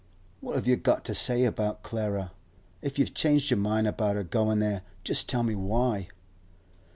What have you got to say about Clara? If you've changed your mind about her goin' there, just tell me why.